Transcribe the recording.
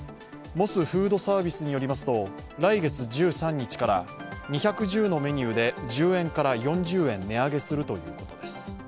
モスフードサービスによりますと来月１３日から２１０のメニューで１０円から４０円値上げするということです。